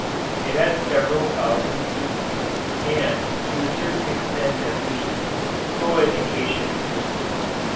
It had several thousand students, and, to a certain extent at least, co education existed.